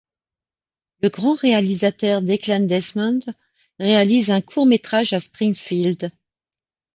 Le grand réalisateur Declan Desmond réalise un court-métrage à Springfield.